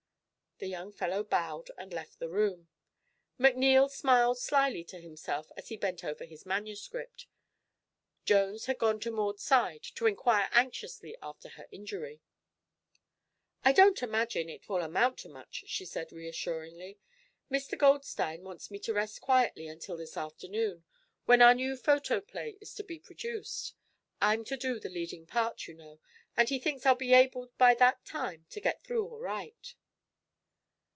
The young fellow bowed and left the room. McNeil smiled slyly to himself as he bent over his manuscript. Jones had gone to Maud's side to inquire anxiously after her injury. "I don't imagine it will amount to much," she said reassuringly. "Mr. Goldstein wants me to rest quietly until this afternoon, when our new photo play is to be produced. I'm to do the leading part, you know, and he thinks I'll be able by that time to get through all right."